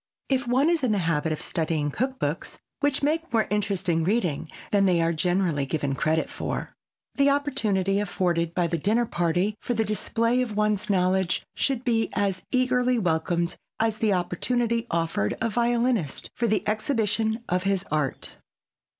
If one is in the habit of studying cook books, which make more interesting reading than they are generally given credit for, the opportunity afforded by a dinner party for the display of one's knowledge should be as eagerly welcomed as the opportunity offered a violinist for the exhibition of his art.